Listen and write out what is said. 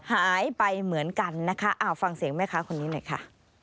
หายไปเหมือนกันนะคะฟังเสียงแม่ค้าคนนี้หน่อยค่ะ